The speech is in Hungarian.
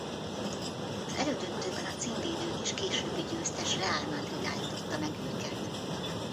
Az elődöntőben a címvédő és későbbi győztes Real Madrid állította meg őket.